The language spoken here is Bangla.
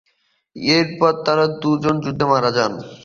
এরপর তারা দুজন যুদ্ধে মারা যায়।